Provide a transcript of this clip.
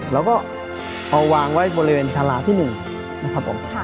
เราก็เอาวานไว้บริเวณขาละที่หนึ่งนะครับฮะ